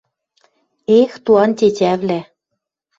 «Эх, туан тетявлӓ